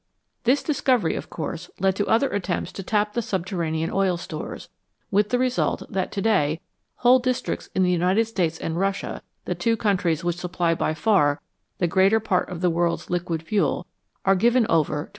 This discovery, of course, led to other attempts to tap the subterranean oil stores, with the result that to day whole districts in the United States and Russia the two countries which supply by far the greater part of the world's liquid fuel are given over to "oil bearing."